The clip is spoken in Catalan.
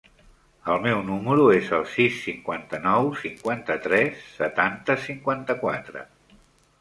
El meu número es el sis, cinquanta-nou, cinquanta-tres, setanta, cinquanta-quatre.